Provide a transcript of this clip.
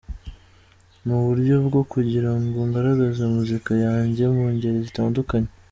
mu buryo bwo kugira ngo ngaragaze muzika yanjye mu ngeri zitandukanye.